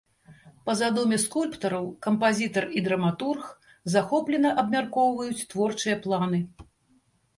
Па задуме скульптараў кампазітар і драматург захоплена абмяркоўваюць творчыя планы.